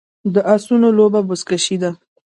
د اسونو لوبه بزکشي ده